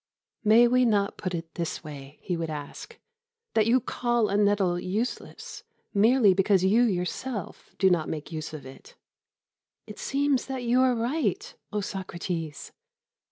"May we not put it in this way," he would ask, "that you call a nettle useless merely because you yourself do not make use of it?" "It seems that you are right, O Socrates."